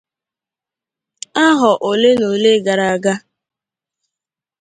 ahọ olenaole gara aga